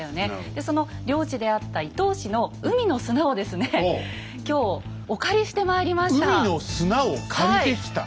でその領地であった伊東市の海の砂をですね今日お借りしてまいりました。